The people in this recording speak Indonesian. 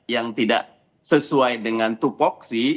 yang tidak sesuai dengan tupoksi